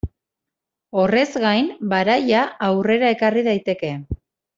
Horrez gain, baraila aurrera ekarri daiteke.